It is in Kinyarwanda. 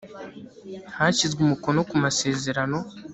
hashyizwe umukono ku masezerano